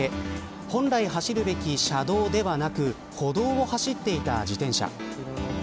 本来、走るべき車道ではなく歩道を走っていた自転車。